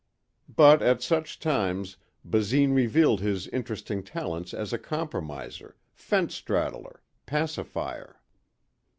But at such times Basine revealed his interesting talents as a compromiser, fence straddler, pacifier.